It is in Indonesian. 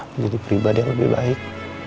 menjadi pribadi yang lebih baik